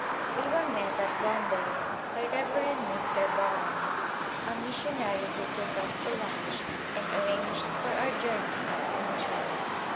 We were met at Bombay by Rev. Mr. Bowen, a mis sionary who took us to lunch and arranged for our journey up country.